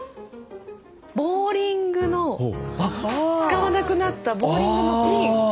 ボウリングの使わなくなったボウリングのピン？